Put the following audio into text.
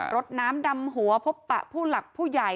รถน้ำดำหัวพบปะผู้หลักผู้ใหญ่